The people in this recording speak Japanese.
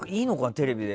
テレビで。